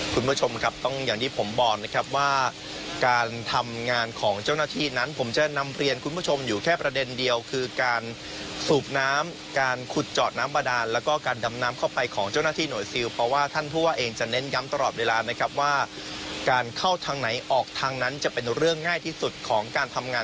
คุณผู้ชมครับต้องอย่างที่ผมบอกนะครับว่าการทำงานของเจ้าหน้าที่นั้นผมจะนำเรียนคุณผู้ชมอยู่แค่ประเด็นเดียวคือการสูบน้ำการขุดเจาะน้ำบาดานแล้วก็การดำน้ำเข้าไปของเจ้าหน้าที่หน่วยซิลเพราะว่าท่านผู้ว่าเองจะเน้นย้ำตลอดเวลานะครับว่าการเข้าทางไหนออกทางนั้นจะเป็นเรื่องง่ายที่สุดของการทำงาน